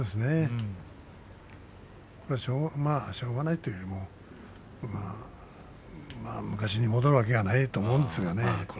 これはしょうがないというよりも昔に戻るわけはないと思うんですよね。